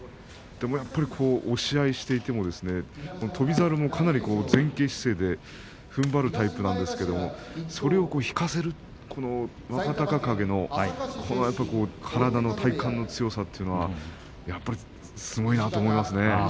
押し合いをしていても翔猿もかなり前傾姿勢でふんばるタイプなのですがそれを引かせるという若隆景の体の体幹の強さというのはやはり、すごいなと思いますね。